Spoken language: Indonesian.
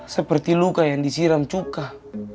seperti luka yang disiram cukah